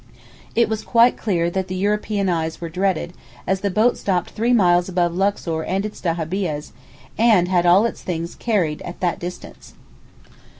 It was quite clear that European eyes were dreaded, as the boat stopped three miles above Luxor and its dahabiehs, and had all its things carried that distance.